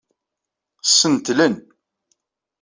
Ssentel-nn!